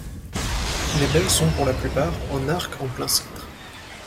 Les baies sont pour la plupart en arcs en plein-cintre.